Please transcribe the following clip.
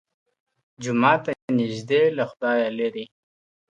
¬ جومات ته نژدې، له خدايه ليري.